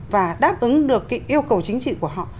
và đáp ứng được cái yêu cầu chính trị của họ